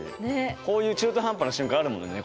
こういう中途半端な瞬間あるもんね